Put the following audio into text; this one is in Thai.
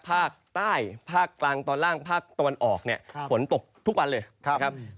ภาคใต้ภาคกลางตอนล่างภาคตอนออกผลตกทุกวันเลยนะครับ